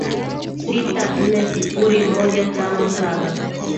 sita nne sifuri moja tano saba